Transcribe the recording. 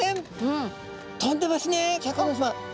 あ飛んでますね。